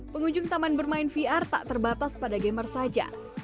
pengunjung taman bermain vr tak terbatas pada gamer saja